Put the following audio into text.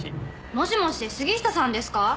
もしもし杉下さんですか？